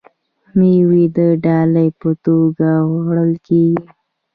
میوې د ډالۍ په توګه وړل کیږي.